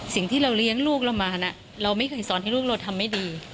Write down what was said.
สิ่งที่เราเลี้ยงลูกเรามานะเราไม่เคยสอนให้ลูกเราทำไม่ดี